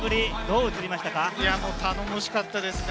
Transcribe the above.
頼もしかったですね。